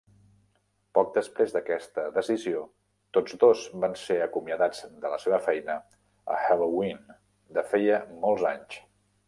Poc després d'aquesta decisió, tots dos van ser acomiadats de la seva feina a Helloween de feia molts anys.